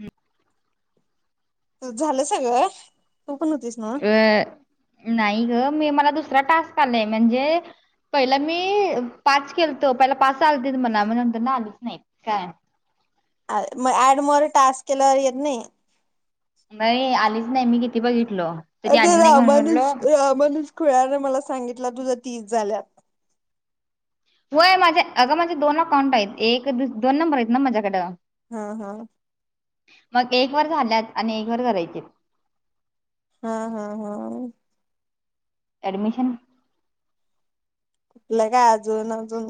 हम्म हा झालं सगळं तू पण होतीस ना अ नाही ग मी मला दुसरा टास्क आलाय म्हणजे पहिला मी पाच केलतो पहिले पाच आलते मणा नंतर ना आलेच नाय काय अ मग ऍड मोर टास्क केल्यावर येत नाही. नाही आलीच नाही मी किती बघित अरे राव मनुज मनुज खुळ्याने मला सांगितलं तुझा तीस झाल्यात व्हय माझे अगं माझे दोन अकाउंट आहेत एक दोन नंबर आहेत ना माझ्याकड हा हा मग एक वर झाल्यात आणि एक वर करायचेत हा हा हा ऍडमिशन कुठलं काय अजून अजून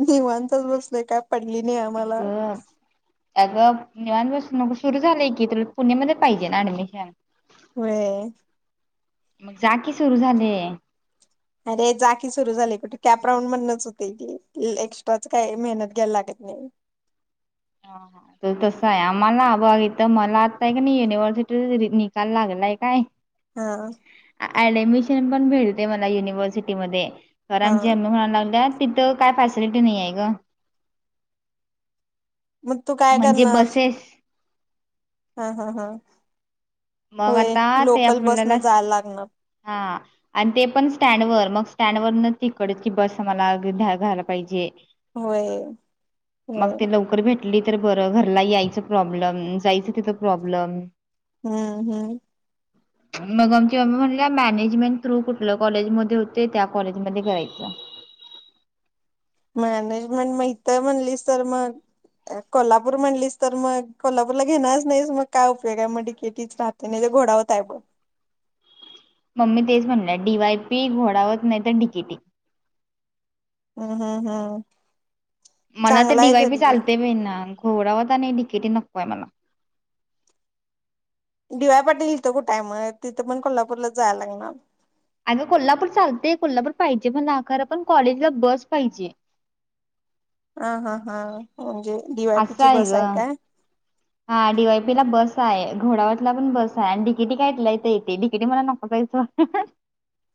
निवांतच बसलय काय पड ली नाय आम्हाला अग निवांत बसून सुरू झालंय की तुला पुणेमध्ये पाहिजे ना ऍडमिशन? होय. मग जा की सुरू झालय अरे जा की सुरू झाली कुठे कॅप राऊंड मदनाच होतय ते एक्स्ट्राच काय मेहनत घ्यायला लागत नाय. हा हा तर तसं आहे आम्हाला अग इथं मला आता की नाही युनिव्हर्सिटी चा निकाल लागलाय काय हा ऍडमिशन पण भेटते मला युनिव्हर्सिटीमध्ये हा लागल्यात तिथं काय फॅसिलिटी नाही आहे ग मग तू काय म्हणजे करणार बसेस हा हा हा मग होय आता ते लोकल आपल्याला बसन जायला लागणार. हा आणि ते पण स्टँडवर मग स्टँडवर न तिकडची की बस आम्हाला घायला पाहिजे. होय होय. हे तर बरं घरला यायचं प्रॉब्लम जायचं तिथं प्रॉब्लम. हम्म हम्म. मग आमची [unintelligible] बाबा म्हण मॅनेजमेंट थ्रू कुठल्या कॉलेज मध्ये होतेय त्या कॉलेज मध्ये करायच. मॅनेजमेंट म इथ तर म्हणलीस तर मग कोल्हापूर म्हणलीस तर मग कोल्हापूरला घेणारच नाहीस मग काय उपयोग आहे मग डिकिटीच राहते नाही ते घोडावत आहे बघ. मम्मी तेच म्हणटल्या डीवायपी घोडावत नाही तर डिकेटि. हम्म हम्म हम्. मला तर डीवाय बी चालतय बाई ना. घोडावत आणि डिकेटी नको आहे मला. डीवाय पाटील इथं कुठय म तिथं पण कोल्हापूरला जायं लागणार. आग कोल्हापूर चालतय कोल्हापूर पाहिजे पण खर पण कॉलेजला बस पाहिजे. हा हा हा म्हणजे असं डीवायपीची ग बस आहे काय? हा डीवायपी ला बस आहे. घोडावतला पण बस आहे. आणि डिकिटी काय इथल्या इथ यतय डिकेटी मला नको बाई सोड.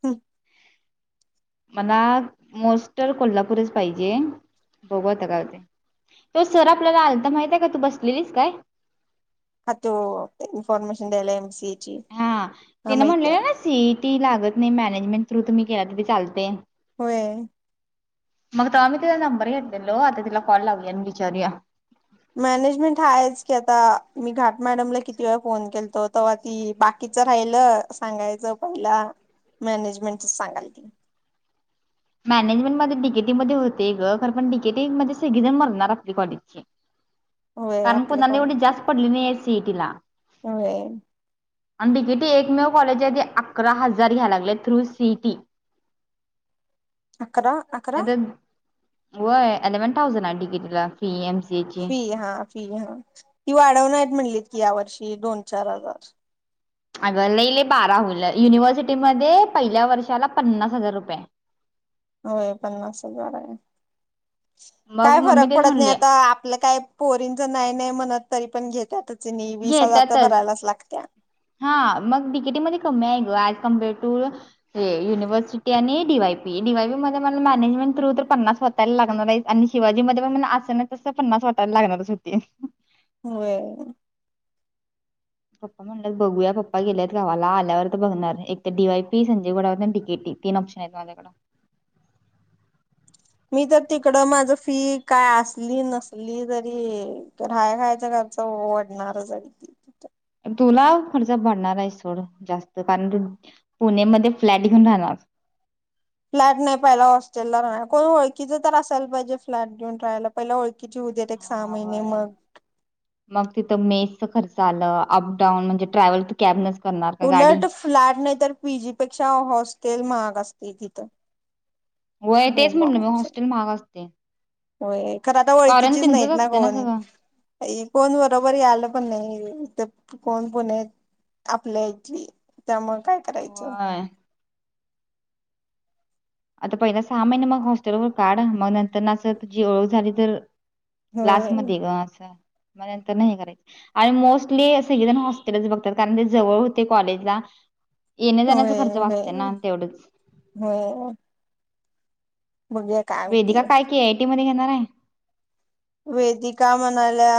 हम. मला मोस्टर कोल्हापूरच पाहिजे. बघू आता काय होतय तो सर आपल्याला आलता माहित आहे काय तू बसलेलीस काय? हा तो इनफॉर्मेशन द्यायला एम सी हा तेन म्हणलेलं ना सीई ती लागत नाही मॅनेजमेंट थ्रु तुम्ही गेला तरी चालतय. होय. मग तवा आम्ही तिचा नंबर घेतलेलो आता तिला कॉल लावूया आणि विचारूया. मॅनेजमेंट हायेच की आता मी घाट मॅडमला किती वेळा फोन केलतो तेव्हा ती बाकीच राहिल सांगायचं पहिला मॅनेजमेंटच सांगालती. मॅनेजमेंट मध्ये डीकेटी मध्ये होते ग खर पण डीकेटी मध्ये सगळीजण मरणार आपली कॉलेजची. होय आपल्या काणकुनन एवढी कॉलेजची जास्त पडल नाहीस तेटला [unintelligible] होय. आणि डिकीटी एकमेव कॉलेज आहे. अकरा हजार घ्या लागले थ्रू सिटी. अकरा -अकरा होय एलेवन थाउजंड हाय डिगीटीला फी एम फी हा फी हा ती वाढवणार आहेत म्हणलीत की या वर्षी. क दोन चार हजार अगं लहिले बारा होईल युनिव्हर्सिटीमध्ये पहिल्या वर्षाला पन्नास हजार रुपये. होय पन्नास हजार आहे. मग काय मम्मी फरक तेच पडत नाही म्हणले आता आपलं काय पोरींच नाय नाय म्हणत तरी पण घेत त्यात घेतातच हा मग डिकेटीमध्ये कमी आहे ग आठ कम बय टू हे युनिव्हर्सिटी आणि D Y P D Y P मध्ये मला मॅनेजमेंट थ्रू तर पन्नास वतायला लागणार आहेत आणि शिवाजी मध्ये पण म असे ना तस पन्नास वातायला लागणारच होते. होय. पप्पा म्हणलंत बघूया पप्पा गेलेत गावाला आल्यावर वर बघणार एक तर डी वाय पी आणि Sanjay Ghodawat D K T तीन ऑप्शन आहेत माझ्याकडं. मी तर तिकड माझ फी काय असली नसली तरी राया खायाचा खर्च वाढणारच आहे. तुला खर्च पडणार आहेस सोड जास्त कारण तू पुणे मध्ये फ्लॅट घेऊन राहणार. फ्लॅट नाही पहिला हॉस्टेलला राहणार कोण ओळखीच तर असायला पाहिजे फ्लॅट घेऊन राहायला पहिले ओळखीची होऊ देत एक सहा हां, महिने व्हय. मग मग तिथं मेसच खर्च आलं अपडाऊन म्हणजे ट्रॅव्हल तर कॅबनच करणार का गाडी? उलट फ्लॅट नाही तर पीजी पेक्षा हॉस्टेल महाग अस ई तिथं होय तेच म्हणलं मी बोंबाबोंब हॉस्टेल सगळी महाग असते व्हय खरं आता कारण ओळखीचीच त्यांचंच नाहीत ना असतं कोण सगळं कोण बरोबर यायला पण नाही. कोण पुणेत आपल्या इथली त्यामुळ काय करायचं होय आता पहिल्या सहा महिने मग हॉस्टेलवर काढ मग नंतर न असं तुझी ओळख झाली तर क्लास होय मध्ये ग असं म नंतर न हे करायचं आणि मोस्टली सगळेजण हॉस्टेलच बघतात कारण ते जवळ होते कॉलेजला येण्या जाण्याचा होय खर्च होय वाचते ना तेवढंच होय बघूया काय वेदिका होती काय के आय टी मध्ये कनय वेदिका म्हणाल्या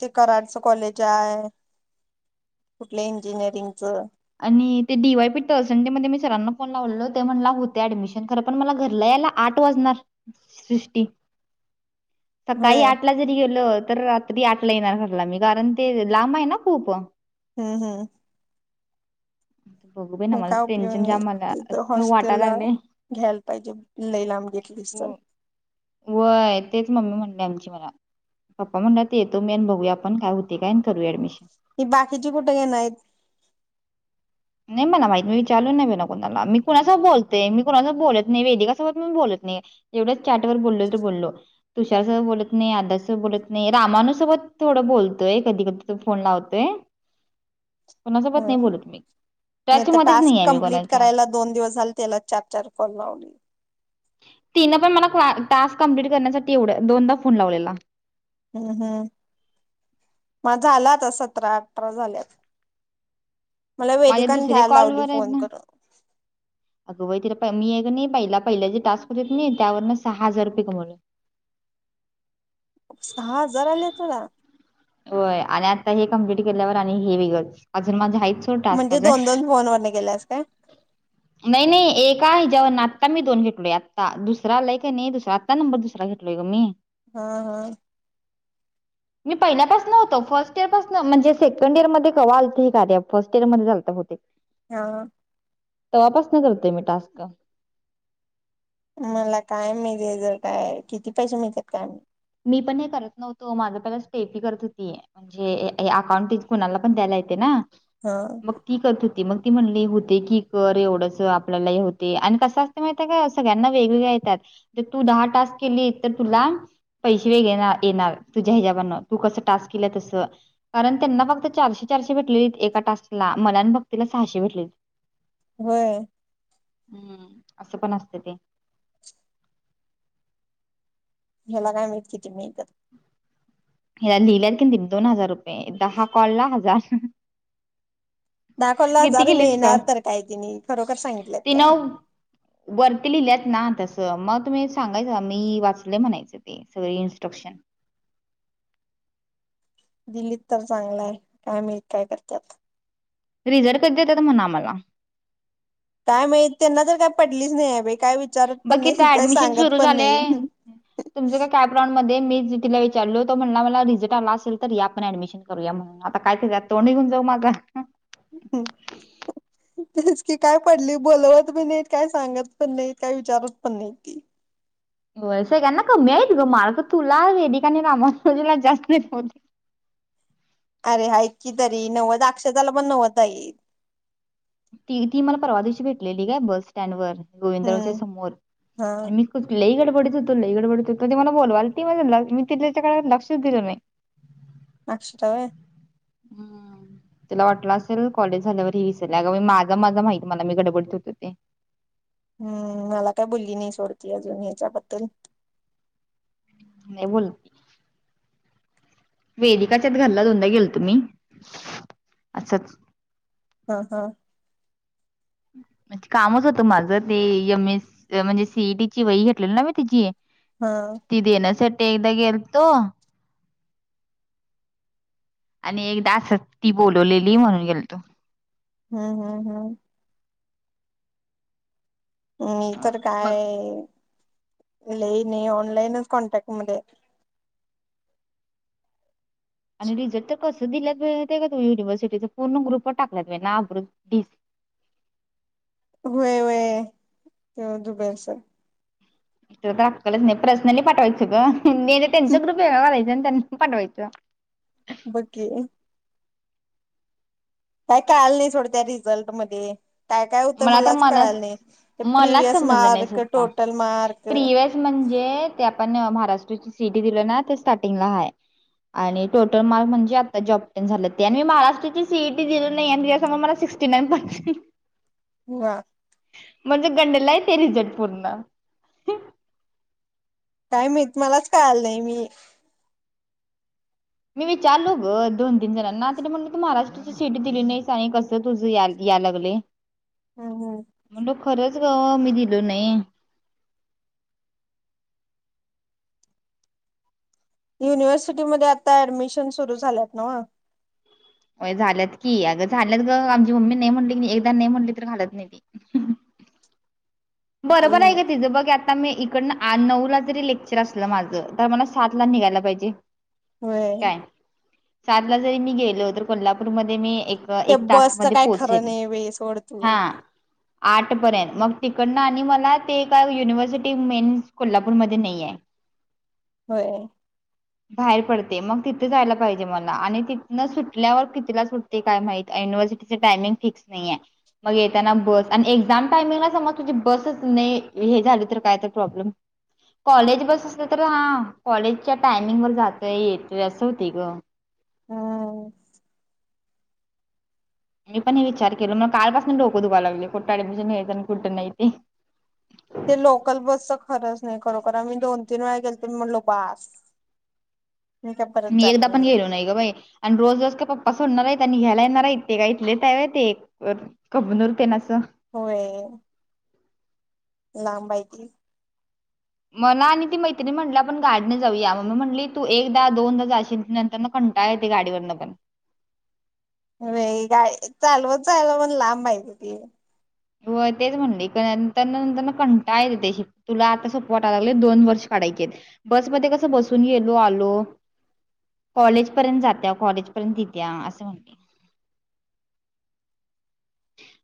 ते कराडच कॉलेज आहे कुठलं इंजिनिअरिंगच आणि ते डी वाय पी तळसंडे मध्ये मी सरांना फोन लावलेल ते म्हणला होतंय ऍडमिशन खर पण मला घरला यायला आठ वाजणार सृष्टी सकाळी होय आठ ला जरी गेलोत तर रात्री आठला येणार घरला मी कारण ते लांब आहे ना खूप हूं हूं बघू बाई ना पण मला काय उपयोग टेन्शन नाय जाम मला तिथं असं हॉस्टेल वाटायला ला लागलंय. घ्यायला पाहिजे लई लांब घेतलीस तर व्हय तेच मम्मी म्हणली आमची मला पप्पा म्हणल्यात येतो मी आणि बघू आपण काय होतय काय आणि करूया ऍडमिशन ही बाकीची कुठे घेणार आहेत. नाही मला माहित मी विचारलो नईबाई कोणाला मी कोणासोबत बोलते मी वेदिका सोबत पण बोलत नाह तेवढे चाट वर बोललो तर बोललो तुषार सोबत बोलत नाही आदर्श सोबत बोलत नाही रामानु सोबत थोड बोलतोय तो कधीकधी फोन लावतोय. कोणासोबत नाही बोलत मी मी टच आता मध्येच टास्क नाही आहे मी कंप्लिट कोणाच्या. करायला दोन दिवस झाले त्यालाच चार चार फॉल लावलीय. तिन पण मला टास्क कंप्लीट करण्यासाठी एवढं दोन तास फोन लावलेला हूं हूं माझं झाला आत्ता सतरा अठरा झाल्यात. मला माझे वेदिकान दुसरे घ्यायला कॉल लावली वर आहेत फोन ना करून अगं व्हय तिला मी एक मग कन्हैय पहिला पहिल्याचे टास्क हो तिथं त्यावर सहा हजार रुपये कमवले सहा हजार आले तुला होय आणि आता हे कंप्लीट केल्यावर आणि हे वेगळं अजून माझे हाईत सोड तास म्हणजे काच दोन दोन फोन वरन गेल्यास काय नाय नाय एका हेच त्यावरून आत्ता मी दोन घेतलोय आत्ता दुसरा आलाय का नाही आत्ता नंबर दुसरा घेतलोय मी हा हा पहिल्या पाासन होतं फर्स्ट इयर पासन म्हणजे सेकंड इयर मध्ये कवा आलत हे कार्य फर्स्ट इयर मध्ये झालतं बहुतेक हा तवा पासून करतोय मी टास्क. मला काय मिजे जर काय किती पैसे मिळतात काय माहित. मी पण हे करत नव्हतो माझं पहिला स्टेफी करत होती म्हणजे हे अकाउंट स्टिच कोणालाही पण द्यायला येते ना. हा [inaudible] [unintelligible] पैसे वेग येणार तुझ्या हिजाबानन तू कसं टास्क केलं तसं कारण त्यांना फक्त चारशे चारशे भेटलेली एका टास्कला मला न भक्तीला सहाशे भेटलेली. व्हय. हम्म असं पण असते ते. [inaudible] [inaudible] हिला लिहिल्यात की नाही दोन हजार रुपये दहा कॉलला हजार हं. दाखवला जार कॉल मिळणार तर काय तिनी खरोखर सांगितलं ते. तिनं वरती लिहिल्यात ना मग तुम्ही सांगायचं मी वाचले म्हणायचं ते सगळे इंट्रक्शन. दिलीत तर चांगलाय काय माहित काय करतात. रिझल्ट कध देत म्हणआम्हाला. [unintelligible] बघ पण किथ नाही काय ऍडमिशन सांगत सुरू पण नाही झालेय तुमचं का काय प्र [unintelligible] मी मी जेतिला विचारल तो म्हणला मला रिझल्ट आला असेल तर या आपण ऍडमिशन करूया म्हणून आता काय तोंड घेऊन जाऊ माग. हम्म तीच काय पडली बोलवत पण नाही काय सांगत पण नाही काय विचारत पण नाही की. [inaudible] अरे ऐक की तरी नव्वद अक्षदाला पण नवदा ईल. ती ती मला परवा दिवशी भेटलेली ग बस स्टँड वर. हम्म हा [unintelligible] मी होतोय लई गडबडीत होतो लई बोलवा आलती मला तिथल्याच काळात मी लक्षच दिलं नाय. [inaudible] हम्म तुला वाटला असेल कॉलेज झाल्यावर ही विसरली असेल अग माझ माझ मला माहित मी गडबडत होतो ते. हम्म मला काय बोलली नाही सोडती अजून हच्याबद्दल. नाही बोल. वेदिकाच्याच घरला दोनदा गेलतो मी असंच. हा. हा. कामच होतं माझं ते एम एस म्हणजे सीईटी ची वही घेतलेली ना मी तिची. हा [inaudible] एकदा गेल्तो. आणि एकदा असच ती बोलवलेली म्हणून गेलतो. ह हं हं. [unintelligible] मग लय नाही ऑनलाइनच कॉन्टॅक्ट मध्ये हाय. आणि रिजल्ट तर कसे दिल्यात बाई माहिती आहे का तूला युनिव्हर्सिटीचे पूर्ण ग्रुपवर टाकल्यात बाई नाव [unintelligible] व्हय व्हय [unintelligible] हिला काय अक्कलच नाय पर्सनली पाठवायचं ग. हिंदी नी त्यांच्या ग्रुप वेगळा हाय. ज्यानं त्यान पाठवकयचं. बघ की काय काल नाही थोडं त्या रिझल्ट मध्ये काय काय होतं मला तर मलाच मला कळालं नाही ते मलाच प्रिव्हियस समजलं नाही मार्क स्वता टोटल मार्क प्रिवस म्हणजे ते आपण महाराष्ट्र सी ई टी दिले ना ते स्टार्टिंगला हाय आणि टोटल मार्क म्हणजे आता जॉब तेन झालं आणि मी महाराष्ट्राची सीईटी दिलं नाही आणिसमोर मला सिक्टी नाईन पडल्या वा म्हणजे गंडला आहे ते रिझट पूर्ण. काय माहित? मलाच कळाल नाही मी मी विचारलू ग दोन [unintelligible] शीट दिली नाहीस आणि कसं तुझ या या लागलयं. हम हम खरंच ग मी दिलो नाही. युनिव्हर्सिटीमध्येध्ये आता ऍडमिशन सुरू झाल्यात नव्ह. हो झाल्यात की अगं झालंत ग आमची मम्मी नाही म्हणली की एकदा नाही म्हणली तर घालत नाही ती. बरोबर आहे ग तिझं बघ आता आता मी इकडनं आठ नऊ ला जरी लेक्चर असलं माझं तर मला सात ला निघायला पाहिजे. होय. सार ला जरी मी गेलो तर कोल्हापूरमध्येध्ये मी एक त्या एक बसच तासमध्ये काय खरं पोहोचेन नाही वेस ओडतू खरंय मग [unintelligible] कडन आणि मला ते ए युनिव्हर्सिटी मेन कोल्हापूरमध्ये नाहीये. होय. बाहेर पडते मग तिथे जायला पाहिजे मला आणि तिथनं सुटल्यावर कितीला सुटते काय माहित युनिव्हर्सिटीच टायमिंग फिक्स नाहीेये मग येताना बस आणि एक्झाम टायमिंगला समज बसच नाही हे झालं तर काय तर प्रॉब्लेम कॉलेज बस असलं तर हा कॉलेजच्या टायमिंग वर जातोय येतोय असं होतयं ग. हम् मी पण हे विचार केलो मग कालपासून डोकं दुखाय लागलयं कुठं ऍडमिशन घ्यायचं आणि कुठं नाही ते. ते लोकल बसच खरंच नाही खरोखर आम्ही दोन तीन वेळा गेलतो आणि म्हणलो बास मी काय परत मी जात एकदा पण गेलो नाही ग बाई आणि रोज रोज का पप्पा सोडणार आहेत. त्यांनी घ्यायला येणार इते का इथले हाय व्हय ते [unintelligible] होय. लांब हायिती मला आणि ती मैत्रीणी म्हणली आपण गाडीने जाऊया मम्मी म्हटली तू एकदा दोनदा जाशील नंतर कंटाळ येते गाडीवरन पण व्हय गाय चालव चालव पण लांब हाय ग ती व्हय तेच म्हणले नंतर नंतर कंटाळा येतयं तुला आता सोप्प वाटाय लागलयं दोन वर्ष काढायचे आहेत. बस मध्ये कसं बसून गेलो आलो कॉलेज पर्यंत जात्या कॉलेजपर्यंत ठीक हाय असं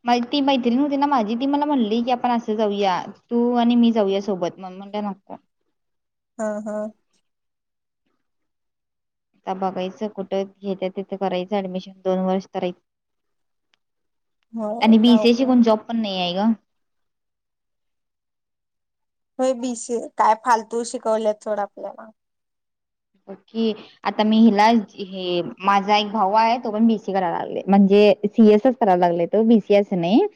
मा ती मैत्रिण होती माझी ती मला म्हणली की आपण असं जाऊया तू आणि मी जाऊया सोबत मग म्हण नको हम हम् तता बघायचं कुठं घेत्या तिथं करायचं ऍडमिशन दोन वर्ष करायचं होय आणि काय बीसी उपयोग कोण जॉब पण नाही आहे का हो बी सी काय फालतू शिकवलेत थोडं आपल्याला ओ आता मी हिला हे माझा एक भाऊ आहे तो पण बीसी करायला लागले म्हणजे सीसच करायला लागले तो बीसीएस नाही